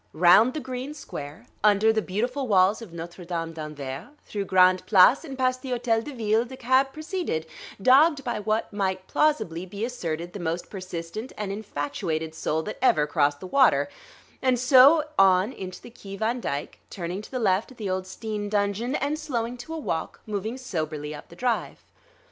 Round the green square, under the beautiful walls of Notre Dame d'Anvers, through Grande Place and past the Hôtel de Ville, the cab proceeded, dogged by what might plausibly be asserted the most persistent and infatuated soul that ever crossed the water; and so on into the Quai Van Dyck, turning to the left at the old Steen dungeon and, slowing to a walk, moving soberly up the drive.